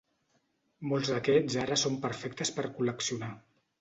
Molts d'aquests ara són perfectes per col·leccionar.